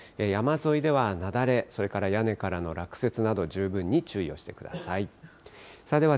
山沿いでは雪崩、それから屋根からの落雪など、十分に注意をしてください。